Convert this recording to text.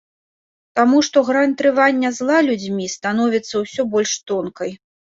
Таму што грань трывання зла людзьмі становіцца ўсё больш тонкай.